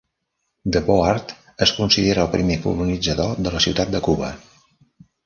Deboard és considerat el primer colonitzador de la Ciutat de Cuba.